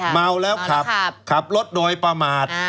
เมาแล้วขับขับรถโดยประมาท